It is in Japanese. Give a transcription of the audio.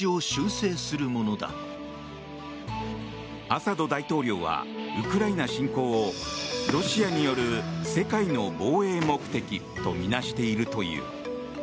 アサド大統領はウクライナ侵攻をロシアによる世界の防衛目的とみなしているという。